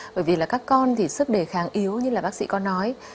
bởi vì là các con thì sức đề kháng yếu như là bác sĩ có nói